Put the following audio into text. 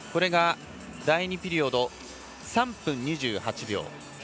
第２ピリオド３分２８秒。